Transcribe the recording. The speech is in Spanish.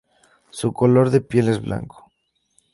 Su "Color De Piel" es blanco.